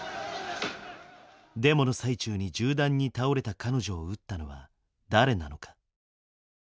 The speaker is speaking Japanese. デモの最中に銃弾に倒れた彼女を撃ったのは誰なのか。